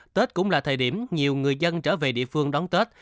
tết cũng là thời điểm nhiều người dân trở về địa phương đón tết